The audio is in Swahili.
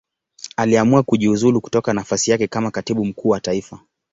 Aliamua kujiuzulu kutoka nafasi yake kama Katibu Mkuu wa Taifa.